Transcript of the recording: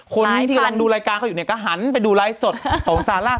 คนที่กำลังดูรายการเขาอยู่เนี่ยก็หันไปดูไลฟ์สดของซาร่า